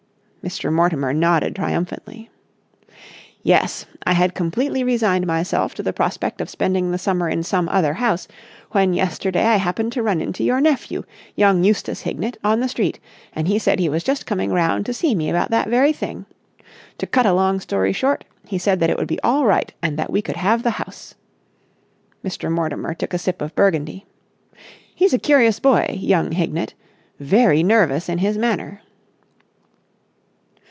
Mr. Mortimer nodded triumphantly. "Yes. I had completely resigned myself to the prospect of spending the summer in some other house, when yesterday I happened to run into your nephew, young Eustace Hignett, on the street, and he said he was just coming round to see me about that very thing. To cut a long story short, he said that it would be all right and that we could have the house." Mr. Mortimer took a sip of burgundy. "He's a curious boy, young Hignett. Very nervous in his manner."